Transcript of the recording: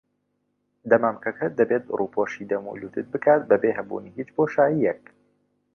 دەمامکەکە دەبێت ڕووپۆشی دەم و لوتت بکات بێ هەبوونی هیچ بۆشاییەک.